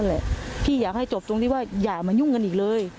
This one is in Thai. แหละพี่อยากให้จบตรงที่ว่าอย่ามายุ่งกันอีกเลย